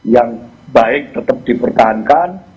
yang baik tetap dipertahankan